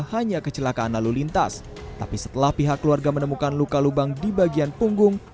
hanya kecelakaan lalu lintas tapi setelah pihak keluarga menemukan luka lubang di bagian punggung